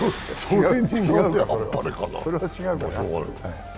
それは違うかな？